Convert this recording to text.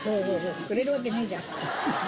くれるわけねえじゃん。